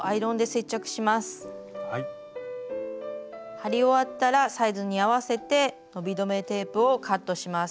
貼り終わったらサイズに合わせて伸び止めテープをカットします。